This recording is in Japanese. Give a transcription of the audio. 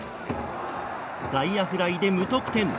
外野フライで無得点。